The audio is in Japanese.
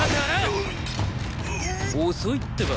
遅いってば。